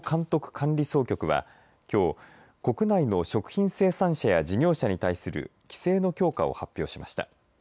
管理総局はきょう国内の食品生産者や事業者に対する規制の強化を発表しました。